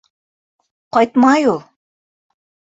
Ҡайтмай ул!